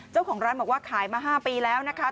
เจ้าของร้านบอกว่าขายมา๕ปีแล้วนะคะ